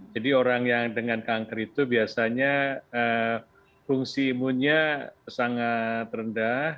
jadi orang yang dengan kanker itu biasanya fungsi imunnya sangat rendah